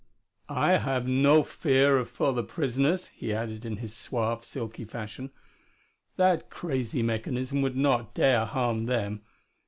"I have no fear for the prisoners," he added in his suave, silky fashion. "That crazy mechanism would not dare harm them.